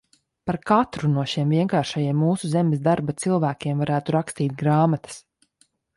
Par katru no šiem vienkāršajiem mūsu zemes darba cilvēkiem varētu rakstīt grāmatas.